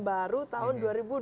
baru tahun dua ribu dua puluh